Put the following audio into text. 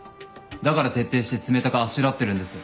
だから徹底して冷たくあしらってるんです。